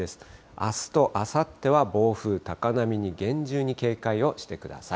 あすとあさっては、暴風、高波に厳重に警戒をしてください。